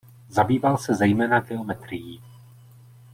Zabýval se zejména geometrií.